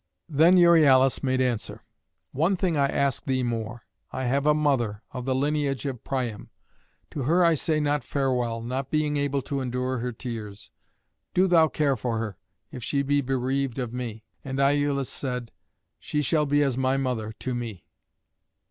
Then Euryalus made answer: "One thing I ask thee more. I have a mother, of the lineage of Priam. To her I say not farewell, not being able to endure her tears. Do thou care for her, if she be bereaved of me." And Iülus said: "She shall be as my mother to me."